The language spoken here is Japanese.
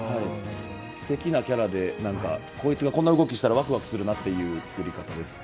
すてきなキャラで、こいつがこんな動きしたらワクワクするなという作り方です。